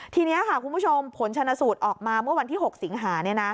ทีนี้ค่ะคุณผู้ชมผลชนะสูตรออกมาเมื่อวันที่๖สิงหา